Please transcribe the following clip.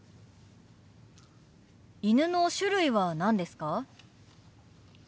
犬の種類は何ですか？